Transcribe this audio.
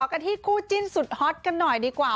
กันที่คู่จิ้นสุดฮอตกันหน่อยดีกว่า